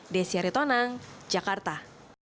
desyari tonang jakarta